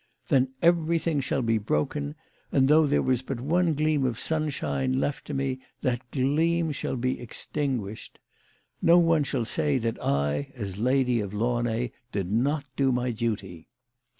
"Then everything shall be broken, and though there was but one gleam of sunshine left to me, that gleam shall be extinguished. 'No one shall say that I, as Lady of Launay, did not do my duty."